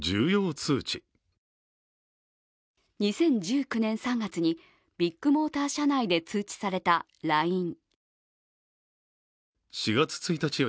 ２０１９年３月にビッグモーター社内で通知されたＬＩＮＥ。